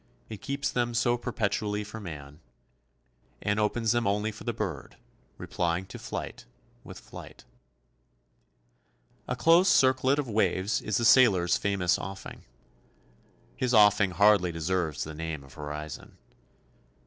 It keeps them so perpetually for man, and opens them only for the bird, replying to flight with flight. A close circlet of waves is the sailor's famous offing. His offing hardly deserves the name of horizon.